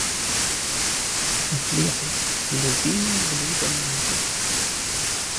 Котлеты - любимое блюдо многих.